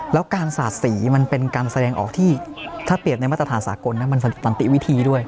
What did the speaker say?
แล้วการสาดสีมันเป็นการแสดงออกที่ถ้าเปรียบในมาตรฐานสากลมันสันติวิธีด้วย